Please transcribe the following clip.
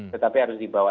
tetapi harus dibawa